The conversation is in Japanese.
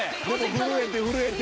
震えて震えて。